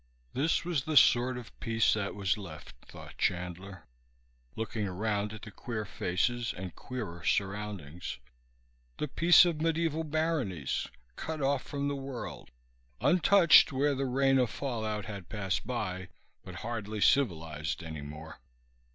This was the sort of peace that was left, thought Chandler looking around at the queer faces and queerer surroundings, the peace of medieval baronies, cut off from the world, untouched where the rain of fallout had passed by but hardly civilized any more.